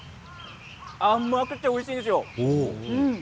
甘くておいしいですよ。